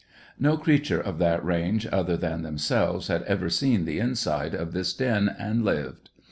No creature of that range other than themselves had ever seen the inside of this den and lived.